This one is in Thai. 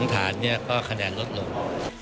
ฐานก็คะแนนลดลง